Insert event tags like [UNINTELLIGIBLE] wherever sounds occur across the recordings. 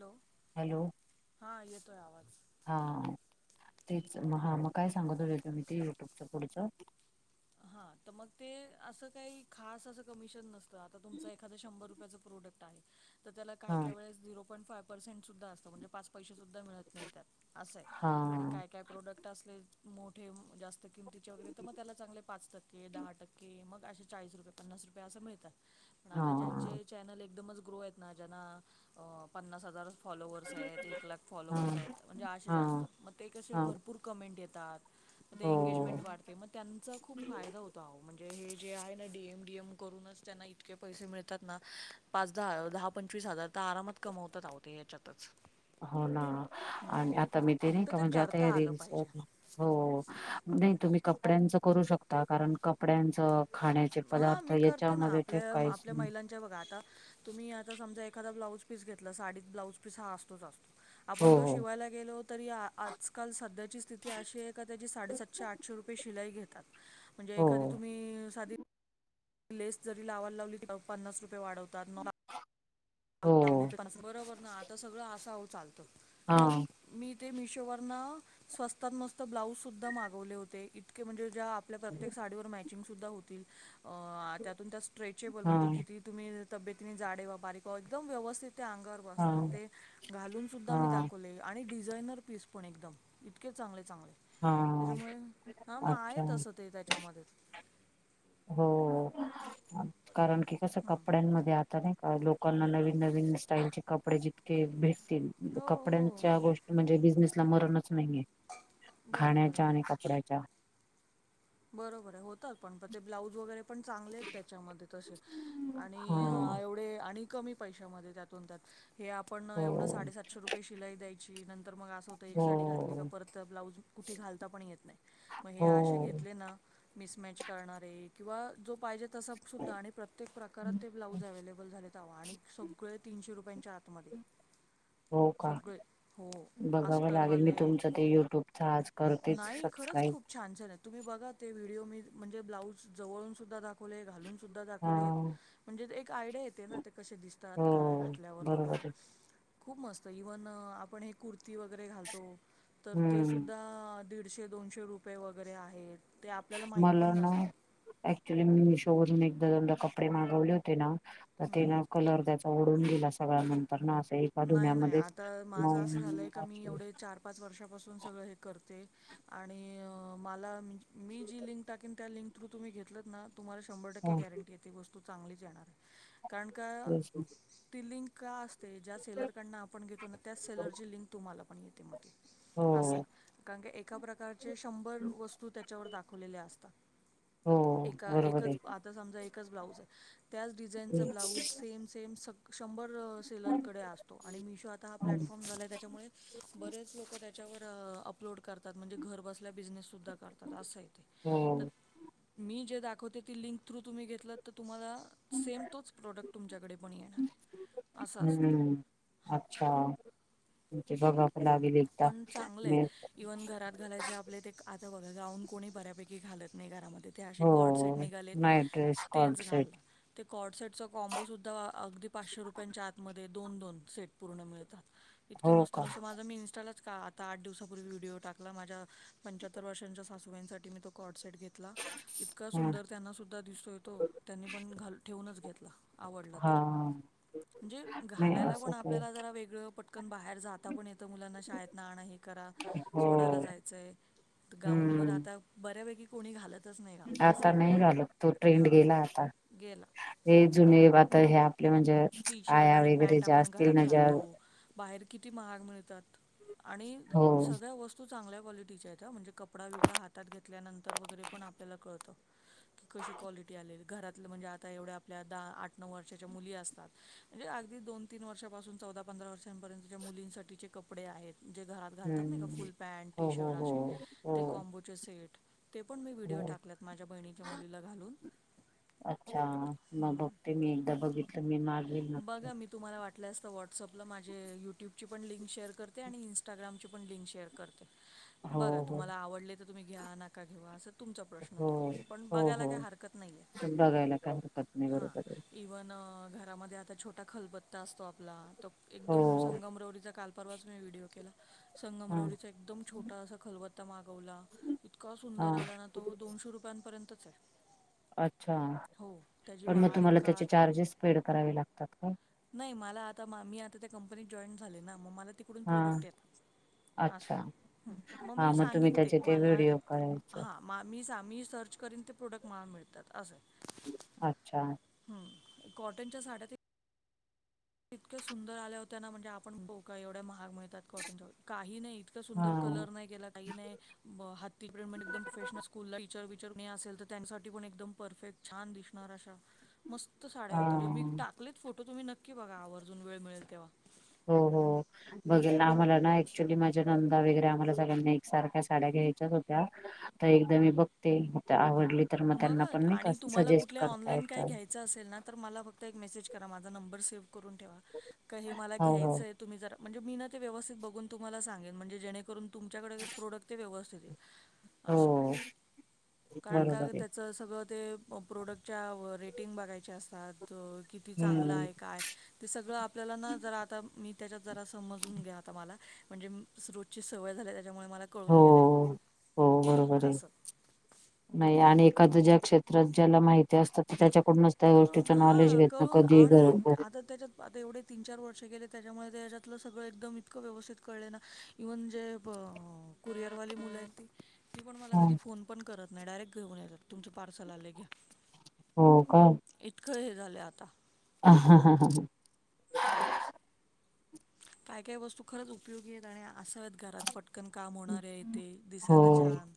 Hello! हां येतोय आवाज? हा हा तेच हा मग काय सांगत होते तुम्ही ते युट्यूबच पुढचं. हा तर मग ते असं काही खास असं कमिशन नसत. आता तुमच एखादं शंभर रुपयाचं प्रोडक्ट आहे तर त्याला काय हा काय वेळेस झिरो पॉईंट पा परसेंट सुद्धा असतं म्हणजे पाच पैसे सुद्धा मिळत नाहीत त्यात असं आहे हा आणि काही काय प्रोडक्ट असले मोठे जास्त किमतीचे वगैरे तर मग चालेल! पाच टक्के दहा टक्के मग असे चाळीस रुपये पन्नास रुपये असं मिळतात. पण हा आता ज्यांचे चॅनल एकदमच ग्रो आहेत ना ज्यांना पन्नास हजार फॉलोवर्स आहेत एक लाख फॉलोवर्स हा आहेत म्हणजे असे जास्त हा मग ते कसे हा भरपूर कमेंट येतात? हो एंगेजमेंट वाढते मग त्यांचा खूप फायदा होतो. हो म्हणजे हे जे आहे ना डी एम डि एम करून त्यांना इतके पैसे मिळतात ना पाच दहा दहा पंचवीस हजार तर आरामात कमावतात अहो ते हेच्यात? तस हो ना आणि आता मी ते नाही फक्त का म्हणजे आता करता या आलं रील्स पाहिजे. वर हो नाही तुम्ही कपड्यांचं करू शकता कारण कपड्यांचं? खाण्याचे हा पदार्थ याच्यामध्ये ते काहीच नाही. ते बघा, तुम्ही आता समझा एखादा ब्लाऊज पीस घेतला साडीत ब्लाऊज पीस हा असतोच असतो. हो आपण तो हो शिवायला गेलोत. तरी आ आजकाल सध्याची स्थिती अशी आहे, का त्याची साडे सातशे आठशे रुपये शिलाई घेतात. म्हणजे हो एखादी तुम्ही साधी लेस जरी लावाय लावली तर पन्नास रुपये वाढवतात. मग आ [UNINTELLIGIBLE] गोट लावली. बरोबर ना आता सगळं असा आहो चालतं. हा मग मी ते मिशोवरन, स्वस्तात मस्त ब्लाऊज सुद्धा मागवले होते. इतके म्हणजे ज्या आप आपल्या प्रत्येक साडीवर मॅचिंग सुद्धा होतील अ, त्यातून त्या स्ट्रेचेबल म्हणजे हा किती तुम्ही तब्येतीने जाडे व्हा, बारीक व्हा एकदम व्यवस्थित ते अंगावर बसतात, हा ते घालून सुद्धा मी हा दाखवले. आणि डिझायनर पीस पण एकदम, इतके चांगले चांगले. हा त्याच्यामुळे हा मग आहे अच्छा तसं ते त्याच्यामध्ये. हो कारण की कस हं. कपड्यांमध्ये आत नाही का लोकांना नवीन नवीन स्टाईलचे कपडे जितके भेटतील हो हो कपड्यां गोष्टी म्हणजे बिझनेसला मरणच नाहीये. बरोबर खाण्याच्या आहे आणि कपड्याच्या. बरोबर आहे होतात, पण प ते ब्लाउज वगैरे पण चांगले आहेत त्याच्यामध्ये तसे, आणि हा एवढे आणि कमी पैशामध्ये त्यातून त्यात, हे आपण हो एवढं साडेसातशे रुपये शिलाई द्यायची नंतर मग अस एक साडी घातली का हो परत ब्लाउज कुठे घालता पण येत नाही. मग हे हो अशे मिमच करणारे किंवा जो पाहिजे तसं सुद्धा आणि प्रत्येक प्रकारात ते ब्लाऊज अव्हेलेबल झालेत हवा आणि सगळे तीनशे रुपयांच्या आतमध्ये. हो का सगळे हो बघावं लागेल मी आस्तरवाले. तुमचं ते युट्यूबच आज करतेच नाही खरंच सबस्क्राईब खूप छान छान आहे. तुम्ही बघा ते व्हिडिओ मी म्हणजे ब्लाऊज जवळून सुद्धा दाखवले घालून सुद्धा हा दाखवलेत. म्हणजे एक आयडिया येते ना ते कसे दिसतात हो काय घातल्यावर बरोबर वगैरे. आहे खूप मस्त, इव्हन आपण हे कुर्ती वगैरे घालतो. तर ते हम्म सुद्धा दीडशे, दोनशे रुपये वगैरे आहेत ते आप मला ना, ऍक्च्युली मी मिशो वरून एकदा दोनदा कपडे मागवले होते ना. ते हं ना कलर त्याचा उडून गेला सगळा. नंतर ना अस एक नाही नाही आता माझं असं झालंय का, मी एवढे चार पाच वर्षापासून सगळं हे करते. आणि मला मी जी लिंक टाकेन त्या लिंक थ्रू तुम्ही घेतलत ना. तुम्हाला शंभर टक्के गॅरंटी आहे ती वस्तू चांगलीच येणार आहे. कारण का ती लिंक का असते, ज्या सेलरकडून आपण घेतो ना त्याच सेलरची लिंक तुम्हाला पण येते मग ती. असय हो कारण कि, एका प्रकारचे शंभर वस्तू त्याच्यावर दाखवलेल्या असतात. हो एका बरोबर आहे एकच आता समजा एकच ब्लाऊज हाय त्याच डिझाईनचा ब्लाऊज हम्म, सेम सेम शंभर असेल. कडे असतो. आणि मिशो आता हा प्लॅटफॉर्म झाला आहे त्याच्यामुळे बरेच लोक त्या च्या वर अपलोड करतात म्हणजे घर बसल्या बिनेस सुद्धा करतात. असं हाय ते हो तर मी जे दाखवते ती लिंक थ्रू तुम्ही घेतलं तर तुम्हाला सेम तोच प्रोडक्ट तुमच्याकडे पण येणार आहे असं असतं हम्म हां अच्छा, म्हजे बघाव लागेल एकदा म इव्हन घरात घालायचे आपले ते आता बघा जाऊन कोणी बऱ्यापैकी घालत नाही घरामध्ये ते असे हो कॉडसेट निघालेत नाही ड्रेस कॉड तेच घाल सेट ते कॉर्डसेटचा कॉ्बो सुद्धा अगदी पाचशे रुपयांच्या आतमध्ये. दोन दोन सेट पूर्ण मिळतात इतके हो मस्त का माल. आता मी इन्स्टाच आठवसापूर्वी व्हिडडीओ टाकला माझ्या पंच्याहत्र वर्षच्या सासूबाईंसाठी मी तो कॉड सेट घेतो. इतका ह सुंदर त्यांना सुद्धा दिसतो येतो, त्यांनी पण घाल ठेवूनच घेतला. आवडलं हा तर, म्हणजे? नाही घालायला असं पण काही आपल्याला जरा वेगळं पटकन, बाहेर जाता पण येतं मुलांना शाळेत ना आणं हे करा. हो सोडायला जायचंय गाऊन वर हम्म आता बऱ्यापैकी. कोणी घालतच नाही गाऊन आता तसंही नाही घालत तो ट्रेंड हां गेला आता गेला. हे जुने बात हे आपल्या म्हणजे टी शर्ट आया आणि वगैरे पॅन्ट ज्या आपण असतील घरात ना ज्या. घालतो बाहेर किती महाग मिळतात, आणि हो सगळ्या वस्तू. तू चांगल्या क्वालिटीच्या आहेत, म्हणजे कपडा बिपडा हात घेतल्यानंतर वगैरे पण आपल्याला कळतं. की कशी क्वालिटी आले घरात म्हणजे आता एवढ्या आपल्या दहा आठ नऊ वर्षाच्या मुली असत. अगडी दोन तीन वर्ष चौदा पंधरा वर्षपर्यंत मुलींसाठी कपडे आहेत जे घरात. घालतात नाही का हम्म फुल पॅन्ट, टी हो हो शर्ट, असे हो हो ते कॉम्बोचे सेट. ते पण मी व्हिडिओ हो टाकलेत माझ्या बहिणीच्या मुलीला घालून ह. ते मी एकदा बघितलं मी मागे ना. बघा मी तुम्हाला वाटलंस तर व्हॉट्सअपला माझे यूट्यूबची पण लिंक शेअर करते आणि इंस्टा. इस्टाग्राची प लिंक शेअर करते. ह [INAUDIBLE] बघा तुम्हाला आवडले तर तुम्ही घ्या, नाका घेवा असं तुमचा प्रश्न हो तो. पण हो बघायला हो काही हरकत नाही आहे. बघायला काय हरकत नाही हा. बरोबर आहे पण घरामध्ये आता छोटा खलबत्ता असतो आपला, तो एकदम हो संगमरवरीचा काल परवाच मी व्हिडिओ केला. हा संगमरवरीचा एकदम छोटा असा खलबत्ता मागवला, इतका सुंदर हा आला ना. तो दोनशे रुपयांपर्यंतच आहे. अच्छा. हो त्याची पण मग बारीक तुम्हाला त्याचे काच चार्जेस पेड करावे लागतात काय. नाही मला आता मी आता त्या कंपनीत जॉईन झाले ना, मग मला तिकडून हा प्रोडक्ट येतात. असं. अच्छा हं मग हा मी तुम्ही सांगन ते. त्याचे मला व्हिडिओ करायचं हा. मा मी सा मी सर्च करीन ते प्रोडक्ट मला मिळतात असं. अच्छा! हं. कॉटनच्या साड्या ते इतक्या सुंदर आल्या होत्या ना, म्हणजे आपण हो का एवढ्या महाग मिळतात. कॉटन. काही नाही इतका हा सुंदर कलर नाही गेला काही नाही. ब हाती प्रेमेन्ट एकदम प्रोफेशनल स्कूलला टीचर विचर कुणी असेल, तर त्यांसाठी पण एकदम परफेक्ट छान दिसणार अशा. मस्त साड्या होत्या. मी हा टाकलेत फोटो तुम्ही नक्की बघा आवर्जून वेळ मिळेल तेव्हा. हो हो. बघ आम्हाला ना ऍक्च्युली माझ्या नंदा वगैरे आम्हाला सगळ्यांना एक सारख्या साड्या घ्यायच्याच होत्या. आता एकदा मी बघते. फक्त आवडली तर मग त्यांना बघा पण नाही का सजेस्ट करता येत. च असेल ना तर मला फक्त एक मेसेज करा, माझा नंबर सेव्ह करून ठेवा. का हे मला हो घ्यायचं आहे. तुम्ही जरा म्हणजे मी ना ते व्यवस्थित बघून तुम्हाला सांगेन. म्हणजे जेणेकरून तुमच्याकडे प्रॉडक्ट ते व्यवस्थित येईल. हो असं. हो. बरोबर आहे. तर सगळं ते प्रोडक्टच्या व रेटिंग बघायचे असतात. किती चांगला हम्म आहे काय. ते सगळं आपल्याला ना जरा आता मी त्याच्यात जरा समजून घ्या आता मला. म्हणजे रोजची सवय झाल्या. त्याच्यामुळे मला हो कळून गेलंय. हो. हो बरोबर हे. असं. नाही. आणि एखाद्या ज्या क्षेत्रात ज्याला माहिती असतात ते त्याच्याकडूनच त्या हा कळू गोष्टीच हा नॉलेज घेतन कळू कधी गर आणि आता त्याच्यात आता एवढे तीन चार वर्ष गले त्याच्यामुळे त्याच्यातलं सगळं एकदम इतकं व्यवस्थित कळले ना. इव्हन जे ब कुरियर वाली मुलं आहेत ते ती पण मला कधी फोन पण करत नाही. डायरेक्ट घेऊन येतात तुमचं पार्सल आले घ्या. हो का. इतकं हे झाले आता. ह ह ह ह ह. काहि काही वस्तू खरंच उपयोगी नाही, अस आहेत घरात. पटकन काम होणार आहे ते, हो दिसायला छान.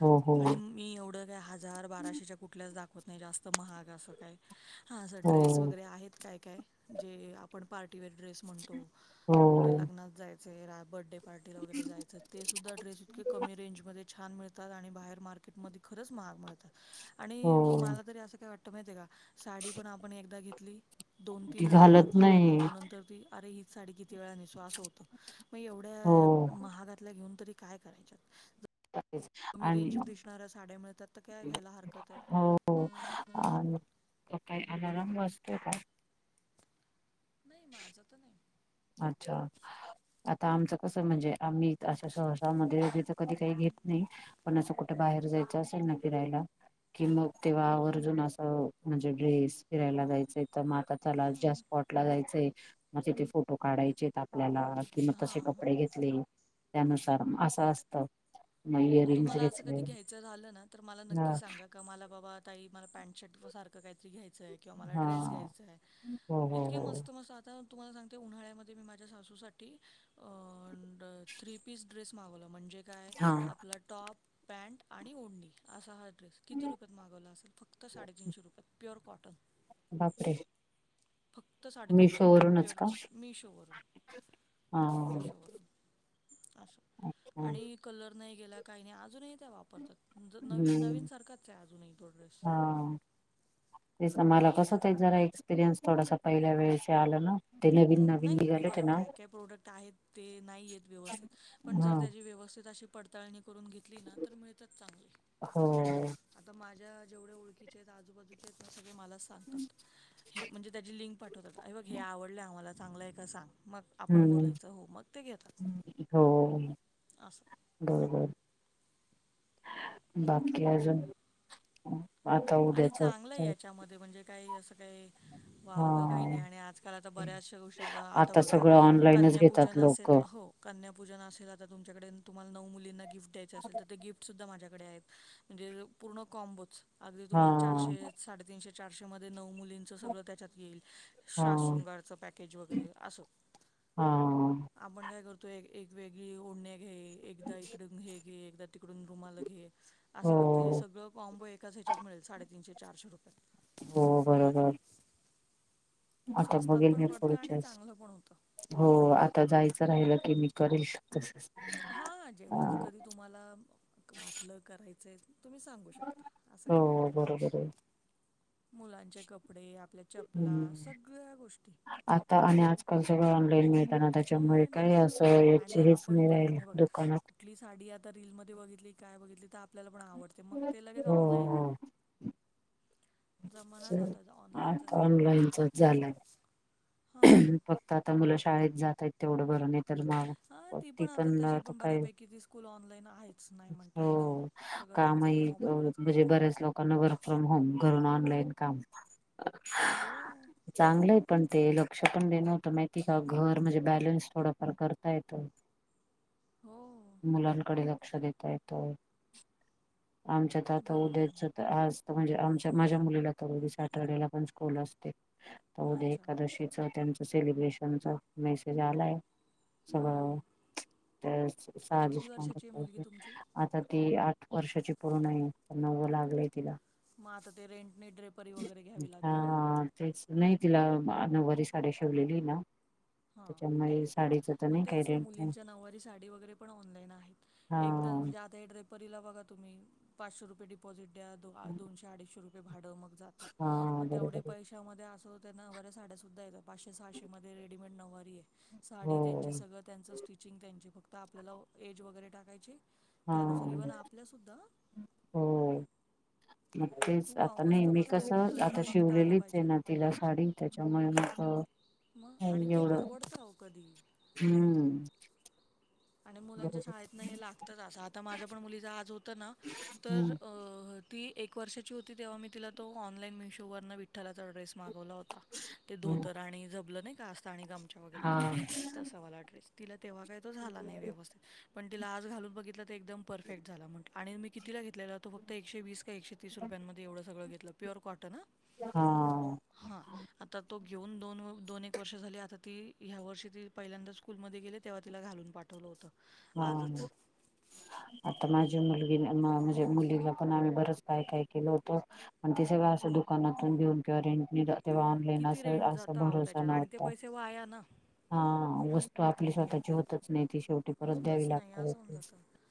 हो हो आणि म मी एवढं काय हजार, बाराशेच्या कुठल्याच दाखवत नाही जास्त महाग असं काय. हा असं हो ड्रेस वगैरे आहेत काय काय. जे आपण पार्टीवेअर ड्रेस म्हणतो. कुठे हो लग्नात जायंच आहे. रा बर्थडे पार्टीला वगैरे जायचं ते सुद्धा ड्रेस इतके कमी रेंजमध्ये छान मिळतात, आणि बाहेर मार्केटमध्ये खरंच महाग मिळतात. आणि हो मला तरी असं काय वाटतं माहिती आहे का. साडी पण आपण एकदा घेतली, दोन ती तीन वेळा फार घालत फार तर नाही घालतो. नंतर ती अरे हीच साडी किती वेळा नेसु असं होतं. मग हो एवढ्या महागातल्या घेऊन तरी काय करायच्या. अआणि मिळतात तर काय घ्यायला हरकत आहे. हो होआणि मग काय अलाराम वाजतोय काय. नाही माझं तर नाही. अच्छा आता आमचं कस म्हणजे आम्ही. असं सहसा मध्ये इथ कधी काही घेत नाही पण असं कुठं बाहेर जायचं असेल ना फिरायला. कि मग तेव्हा आवर्जून असं म्हणजे ड्रेस फिरायला जायचंय. तर मग आता चला ज्या हम्म स्पॉटला जायचंय आहे मग तिथे फोटो काढायचे आहेत आपल्याला. तर मग हा तसे कपडे हा. घेतले त्यानुसार असं असत. मग तुम्हाला असं कधी घ्यायचं झालं ना, तर मला हा नक्की सांगा. का मला बाबा ताई मला पॅन्ट शर्ट सारखं काहीतरी घ्यायचं आहे. किंवा मला हा ड्रेस घ्यायचा आहे. हो हो इतके हो मस्त मस्त आता तुम्हाला सांगते उन्हाळ्यामध्ये मी माझ्या सासूसाठी अअ थ्री पीस ड्रेस मागवला म्हणजे. काय हा आपला टॉप पॅन्ट आणि ओडणी असा ह. किती रुपयात मागवला असेल फक्त साडेतीनशे रुपयात प्युअर कॉटन. बापरे. फक्त साडेतीनशे मिशो रुपयात वरूनच प्युअर का कॉटनमी मिशोवरून हा मिशोवरून. असं आणि कलर नाही गेला काही नाही अजूनही त्या वापर. वापरतात नवीन नवीन हम्म सारखाच आहे अजूनही तो ड्रेस. ते मला कसं ते जरा एक्सपिरियन्स थोडासा पहिल्या वेळचे आलं ना. ते ह नवीन नवीन नाही हे निघाले ते बघा ना काय काय प्रोडक्ट आहेत ते नाही आहेत व्यवस्थित पण हा जर त्याची व्यवस्थित अशी. पडताळणी करून घेतली ना तर मिळतच चांगले. हो आता माझ्या जेवढ्या ओळखीचे आहेत आजूबाजूचे आहेत ते सगळे मला सांगतात. हे म्हणजे त्याची लिंक पाठवतात ऐ बघ हे आवडलं आम्हाला चांगलं आहे का सांग मग. आपण हम्म बोलायचं हो मग ते घेतात. हो हो. असं. बरोबर, बाकी काय अजून? आता आणि उद्याच चांगलंय याच्यामध्ये, म्हणजे काही, असं काही हा वावगं काही नाही आणि आजकाल आता बऱ्याचशा गोष्टी आता, आता बघा सगळं ऑनलाईनच घेतात कन्यापूजन असेल, लोक हो. कन्यापूजन असेल, आता तुमच्याकडे, तुम्हाला नऊ मुलींना, गिफ्ट द्यायचे असेल, तर ते गिफ्ट सुद्धा माझ्याकडे आहेत. म्हणजे पूर्ण कॉम्बोच, अगदी हा तुम्हाला चारशे, साडेतीनशे- चारशे मध्ये नऊ मुलीं च सगळ त्याच्यात येईल, हा शाश-शृंगारच पॅकेज वगैरे, अस. हा आपण काय करतोय, ए-एक वेगळी ओढणे घे, एकदा इकडून घे. घे [UNINTELLIGIBLE] तिकडून रुमालं घे, अस हो करतो, हे सगळं कॉम्बो ये. एकाच ह्याच्यात मीळल, साडेतीनशे-चारशे रुपयात. हो, बरोबर. आता स्वस्तात बघैल पण मी, पडतं आणि पुढच्या वेळेस. चांगलं पण होतं. हो, आता जायचं राहिलं, की मी करेल तस हां, जेव्हाच कधी तुम्हाला, वाटलं करायचं. तुम्ही सांगू शकता, अस काय, हो बरोबर आहे. मुलांचे कपडे, आपल्या चपला हम्म, सगळ्या गोष्टी आता आणि आजकाल सगळं ऑनलाईन मिळ त्यांना त्याच्यामुळ, ऑनलाईन काय असं, हां याच आणि हेच आपण नाही पण राहिल, हे बघा दुकानात. कुठली साडी, आता रीलमध्ये बघितली, काय बघितली, त आपल्याला पण आवड ते मग, ते लगेच, हो ऑनलाइन हो. च आत चालू आहे. ऑनलाईनचाच, झाला. हां फक्त आता मुलं, शाळेत जात ये, तेवढं बर, नाय तर म अं ती पण आता, तशी पण बऱ्यापैकी, ती स्कूल ऑनलाईन आहेच, नाही म्हणता येणार नाही. सगळं काम त्यांचं ते येईल, मोबाईलवरच म्हणजे कळतं. बऱ्याच लोकांना वर्क फ्रॉम होम, घरून ऑनलाईन काम हो. चांगलं ये पण ते, लोक [UNINTELLIGIBLE] हे नव्हतं माहिती का, घर म्हणजे बॅलन्स थोडाफार करता येतो. हो. मुलांकडे लक्ष, देता येत. आमच्या त, आता बरोबर उद्या ना. ज आज तर, म्हणजे आमच्या माझ्या मुलीला, तर सॅटर्डेला पण स्कूल असते. तर उद्या अच्छा. एकादशीच, त्यांच सेलिब्रेशनचा, मेसेज आलाय. सगळं. आता आजच किती सांगत वर्षाची आहे मुलगी होती, तुमची? आता ती आठ वर्षाची पूर्णये, अन् नव्वं लागलय तिला. मग आता, ते रेंटने, ड्रेपरी वगैरे, घ्यावी लागेल ना. हा तेच नाही तिला, नऊवारी साड्या शीवलेली ना, हां. त्याच्यामुळे स मग तेच वो, मुलींच्या नाऊवारी साडी वगैरे, पण ऑनलाईन आहेत, हा एकदा म्हणजे आता ड्रे [UNINTELLIGIBLE] परीला बघा तुम्ही, पाचशे रुपये डिपॉझिट द्या, दोनशे -अडीचशे रुप ये, भाड मग जात, हा म तेवढ्या बरोबर पैशामध्ये अस होतं, नवऱ्या साड्या सुद्धा येतात. पाचशे-सहाशे मध्ये, रेडीमेड नऊवारी ये, साडी हो त्यांची, सगळं त्यांचं, स्टिचिंग त्यांची, फक् त, आपल्याला एज वगैरे टाकायची त्यानुसार ह्म, इव्हन आपल्यासुद्धा हो. मग तेच, खूप आव आता मस्त नेहमी मस्त आहे कस, फक्त जरा आता बघता आलं शिवलेलीचे पाहिजे ना तिला साडी, त्याच्यामुळे म अ म आणि ते परवडतं, आओ कधीही. हम्म. आणि मुलांच्या बरोबर शाळेतनं, हे लागतंच, असं आता, आता माज्या पण मुलीच, आज होतं ना, तर हम्म अ ती एक वर्षाची होती, तेव्हा मी तिला तो ऑनलाईन मिशोवरन विठ्ठलाचा ड्रेस मागवला होता. ते धोतर आणि झबलं नाही का असत आणि गमच्या वगैरे हा ते तसं वाला ड्रेस. तिला तेव्हा काय तो झाला नाही व्यवस्थित. पण तिला आज घालून बघितलं तर, एकदम परफेक्ट झाला. म्ह आणि मी कितीला घेतलेला तो फक्त एकशे वीस का एकशे तीस रुपयांमध्ये एवढं सगळं घेतलं प्युअर कॉटन हां. हा... हा आता तो घेऊन दोन दोन एक वर्ष झाली. आता ती ह्या वर्षी ती पहिल्यांदा स्कूलमध्ये गेली, तेव्हा तिला घालून पाठवलं होतं. आजच. हा. आता माझी मुलगी ना अं म्हणजे मुलीला पण आम्ही बरंच काय काय केलं होतं. पण ते सगळं असं दुकानातून घेऊन किंवा रेंट तेव्हा मग ऑनलाईन किती असं रेंट असा जातं अहो भरोसा त्याच्यात आणि ते नव्हता. पैसे वाया ना. हा वस्तू आपली स्वतःची होतच नाही. ती शेवटी परत होतच द्यावी नाही लागते असं होऊन वस्तू. जातं.